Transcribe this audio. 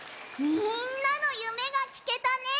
みんなのゆめがきけたね。